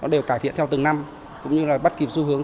đều cải thiện theo từng năm cũng như là bắt kịp xu hướng